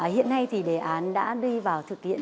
hiện nay thì đề án đã đi vào thực hiện